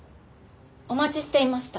お待ちしていました。